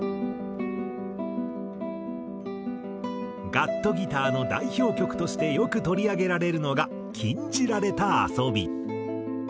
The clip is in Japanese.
ガットギターの代表曲としてよく取り上げられるのが『禁じられた遊び』。